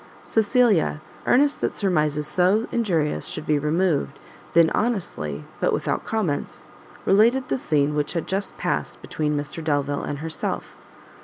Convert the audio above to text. Cecilia, earnest that surmises so injurious should be removed, then honestly, but without comments, related the scene which had just past between Mr Delvile and herself.